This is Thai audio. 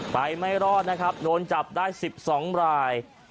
ไม่รอดนะครับโดนจับได้๑๒ราย